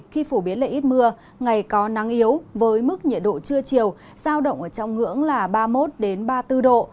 khi phổ biến lợi ít mưa ngày có nắng yếu với mức nhiệt độ trưa chiều giao động ở trong ngưỡng là ba mươi một ba mươi bốn độ